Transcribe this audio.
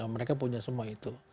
mereka punya semua itu